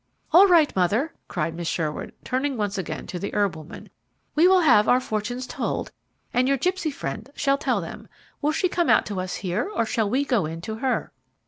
"All right, mother," cried Miss Sherwood, turning once again to the herb woman, "we will have our fortunes told, and your gipsy friend shall tell them. Will she come out to us here or shall we go in to her?"